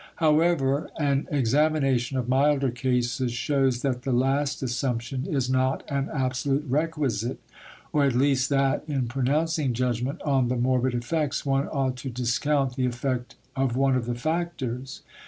However, an examination of milder cases shows that the last assumption is not an absolute requisite, or at least that in pronouncing judgment on the morbid effects one ought to discount the effect of one of the factors.